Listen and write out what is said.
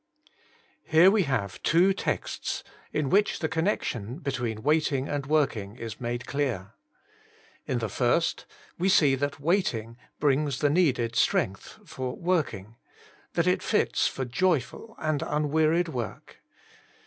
HERE we have two texts in which the connection between waiting and working is made clear. In the first we see that waiting brings the needed strength for working — that it fits for joyful and un wearied work.